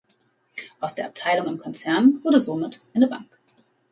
Aus der Abteilung im Konzern wurde somit eine Bank.